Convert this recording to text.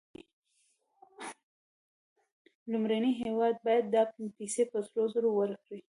لومړنی هېواد باید دا پیسې په سرو زرو ورکړي